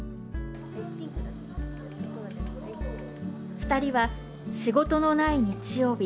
２人は、仕事のない日曜日